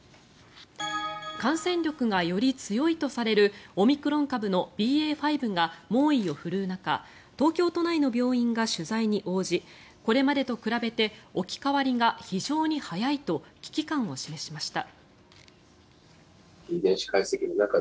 感染力がより強いとされるオミクロン株のＢＡ．５が猛威を振るう中東京都内の病院が取材に応じこれまでと比べて置き換わりが非常に早いと危機感を示しました。